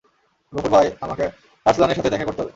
গফুর ভাই, আমাকে আর্সলানের সাথে দেখা করতে হবে।